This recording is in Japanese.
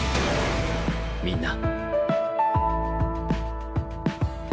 みんな。